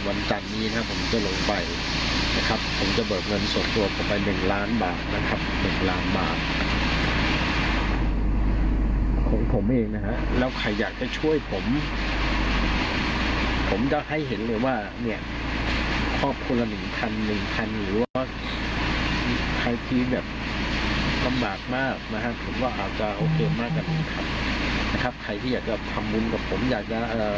โอเคมากกันนะครับนะครับใครที่อยากจะคำวุ้นกับผมอยากจะ